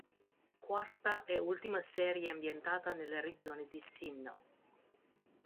Quarta e ultima serie ambientata nella regione di Sinnoh.